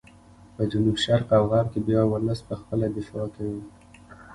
په جنوب شرق او غرب کې بیا ولس په خپله دفاع کوي.